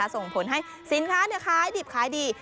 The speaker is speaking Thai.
ส่งผลให้สินค้าขายดิบขายดี